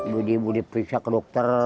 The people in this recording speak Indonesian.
budi budi periksa ke dokter